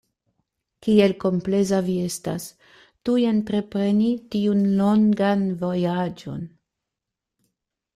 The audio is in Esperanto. Kiel kompleza vi estas, tuj entrepreni tiun longan vojaĝon!